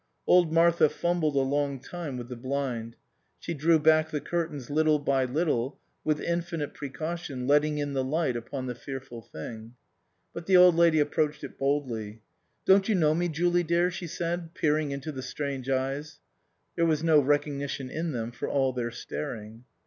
Old Martha fumbled a long time with the blind ; she drew back the curtains little by little, with infinite precaution letting in the light upon the fearful thing. But the Old Lady approached it boldly. " Don't you know me, Jooley dear ?" she said, peering into the strange eyes. There was no recognition in them for all their staring.